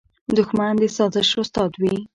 دښمن د سازش استاد وي